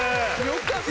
よかった！